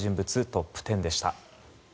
トップ１０でした。